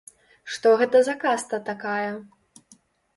Што гэта за каста такая?